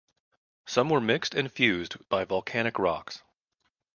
Some were mixed and fused by volcanic rocks.